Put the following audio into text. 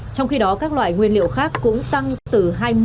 trong khi đó các loại nguyên liệu khác cũng tăng từ hai mươi